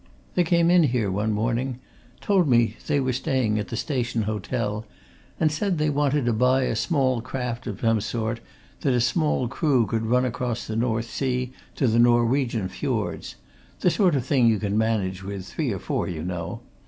They came in here one morning, told me they were staying at the Station Hotel, and said that they wanted to buy a small craft of some sort that a small crew could run across the North Sea to the Norwegian fiords the sort of thing you can manage with three or four, you know.